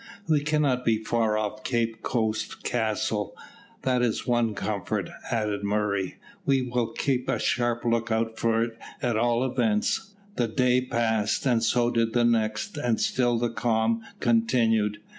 "We cannot be far off Cape Coast Castle, that is one comfort," added Murray. "We will keep a sharp look out for it at all events." The day passed, and so did the next, and still the calm continued.